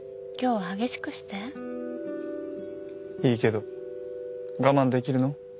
今日は激しくしていいけど我慢できるの？